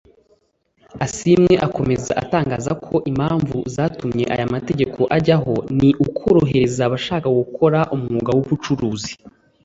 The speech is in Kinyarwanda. Asimwe akomeza atangaza ko Impamvu zatumye aya mategeko ajyaho ni ukorohereza abashaka gukora umwuga w’ubucuruzi